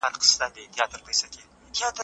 ده د ولس باور ساتلو ته ارزښت ورکاوه.